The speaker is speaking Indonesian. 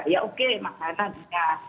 ya oke makanan ya